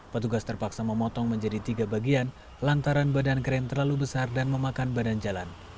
petugas terpaksa memotong menjadi tiga bagian lantaran badan kren terlalu besar dan memakan badan jalan